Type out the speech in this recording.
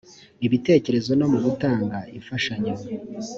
bitekerezo no mu gutanga imfashanyo